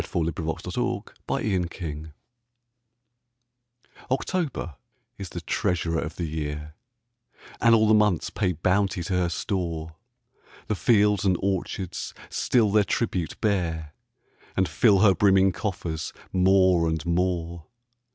Paul Laurence Dunbar October OCTOBER is the treasurer of the year, And all the months pay bounty to her store: The fields and orchards still their tribute bear, And fill her brimming coffers more and more.